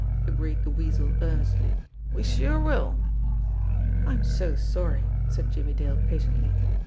agreed the Weasel earnestly. "We sure will !" "I'm so sorry," said Jimmie Dale patiently.